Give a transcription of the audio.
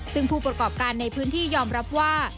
ซึ่งผู้ประกอบการในพื้นที่ยอมรับว่า